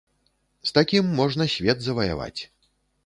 З такім можна свет заваяваць.